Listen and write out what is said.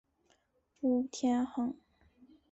吴天垣。